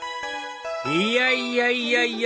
いやいやいやいや！